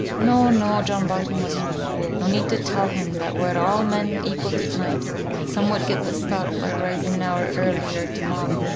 "No, no! John Barton was no fool. No need to tell him that were all men equal to night, some would get the start by rising an hour earlier to morrow.